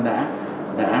đã chỉ đại